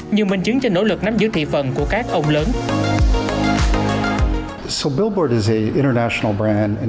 nhiều minh chứng cho nỗ lực nắm giữ thị phần của các ông lớn